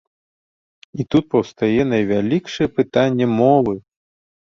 І тут паўстае найвялікшае пытанне мовы.